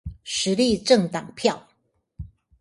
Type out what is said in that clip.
時力政黨票